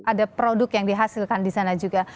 ada produk yang dihasilkan di sana juga